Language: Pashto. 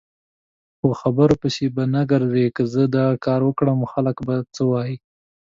په خبرو پسې به نه ګرځی که زه داکاروکړم خلک به څه وایي؟